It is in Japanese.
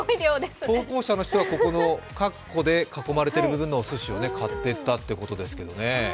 投稿者の人はここの、かっこで囲まれてる部分のおすしを買っていったそうです。